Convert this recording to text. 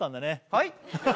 はい？